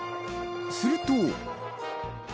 すると。